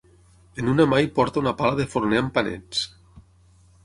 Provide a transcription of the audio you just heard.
En una mà hi porta una pala de forner amb panets.